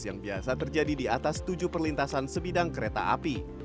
yang biasa terjadi di atas tujuh perlintasan sebidang kereta api